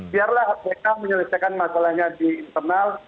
biarlah kpk menyelesaikan masalahnya di internal